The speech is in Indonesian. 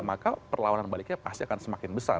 maka perlawanan baliknya pasti akan semakin besar